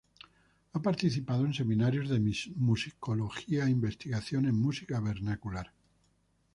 Ha participado en seminarios de musicología e investigación en música vernacular.